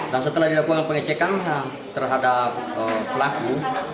dan setelah dilakukan pengecekan terhadap pelaku